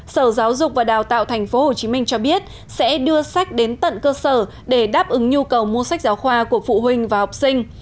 sở giáo dục và đào tạo tp hcm cho biết sẽ đưa sách đến tận cơ sở để đáp ứng nhu cầu mua sách giáo khoa của phụ huynh và học sinh